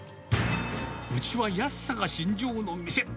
うちは安さが信条の店。